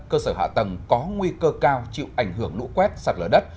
cơ sở hạ tầng có nguy cơ cao chịu ảnh hưởng lũ quét sạt lở đất